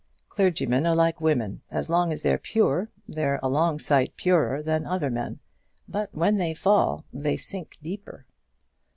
Clergymen are like women. As long as they're pure, they're a long sight purer than other men; but when they fall, they sink deeper."